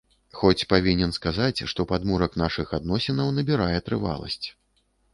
Хоць павінен сказаць, што падмурак нашых адносінаў набірае трываласць.